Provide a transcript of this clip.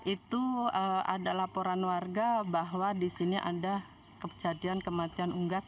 itu ada laporan warga bahwa di sini ada kejadian kematian unggas